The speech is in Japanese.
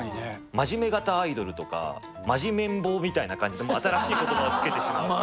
真面目型アイドルとか、真面目ん坊みたいな感じで、新しいことばを付けてしまうとか。